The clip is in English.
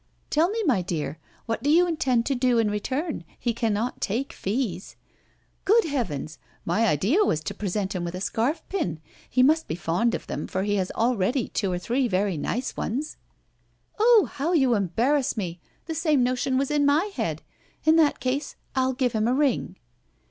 "Tell me, my dear, what do you intend to do in return? He cannot take fees." "Good heavens! my idea was to present him with a scarf pin. He must be fond of them, for he has already two or three very nice ones." "Oh! how you embarrass me! The same notion was in my head. In that case I'll give him a ring."